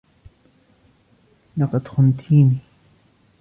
لقد خنتيني.